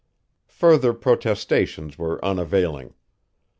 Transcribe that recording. Further protestations were unavailing.